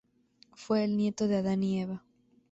Fue el nieto de Adán y Eva.